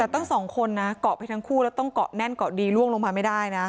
แต่ตั้งสองคนนะเกาะไปทั้งคู่แล้วต้องเกาะแน่นเกาะดีล่วงลงมาไม่ได้นะ